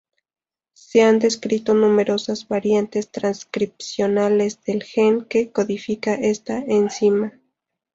Se han descrito numerosas variantes transcripcionales del gen que codifica esta enzima.